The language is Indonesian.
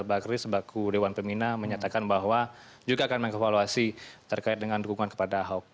bakri sebaku dewan pemina menyatakan bahwa juga akan mengevaluasi terkait dengan dukungan kepada ahok